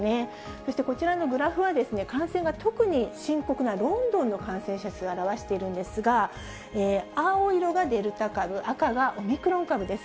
そしてこちらのグラフは感染が特に深刻なロンドンの感染者数を表わしているんですが、青色がデルタ株、赤がオミクロン株です。